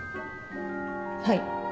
はい。